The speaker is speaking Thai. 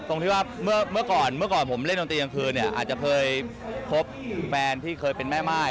ตรงที่ว่าเมื่อก่อนเมื่อก่อนผมเล่นดนตรีกลางคืนเนี่ยอาจจะเคยคบแฟนที่เคยเป็นแม่ม่าย